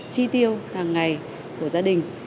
chi tiêu hàng ngày của gia đình